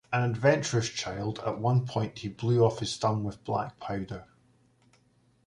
An adventurous child, at one point he blew off his thumb with black powder.